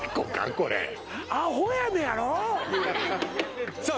これアホやねやろさあ